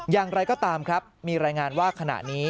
อย่างไรก็ตามครับมีรายงานว่าขณะนี้